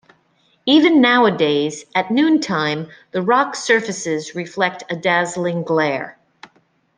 Even nowadays, at noontime, the rock surfaces reflect a dazzling glare.